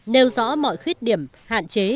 nêu rõ mọi khuyết điểm hạn chế